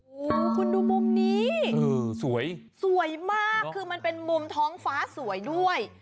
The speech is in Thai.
โอ้โหคุณดูมุมนี้เออสวยสวยมากคือมันเป็นมุมท้องฟ้าสวยด้วย